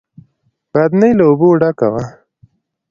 بدنۍ له اوبو ډکه وه.